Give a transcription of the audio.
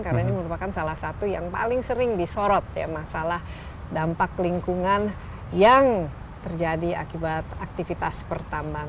karena ini merupakan salah satu yang paling sering disorot ya masalah dampak lingkungan yang terjadi akibat aktivitas perusahaan